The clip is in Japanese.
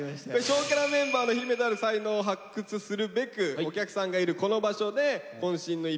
「少クラ」メンバーの秘めたる才能を発掘するべくお客さんがいるこの場所でこん身のイッパツ芸を。